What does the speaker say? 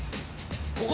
ここ？